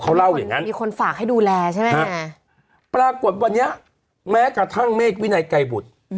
เขาเล่าอย่างนั้นฮะปรากฏวันนี้แม้กระทั่งเมฆวินัยไก่บุตร